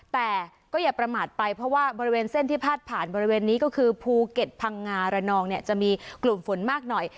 แต่ก็อย่าประมาทไปเพราะว่าบริเวณเส้นที่พาดผ่านบริเวณนี้ก็คือภูเก็ตพังงาระนองเนี่ยจะมีกลุ่มฝนมากหน่อย